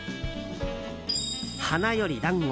「花より男子」